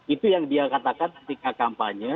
itu yang dia katakan ketika kampanye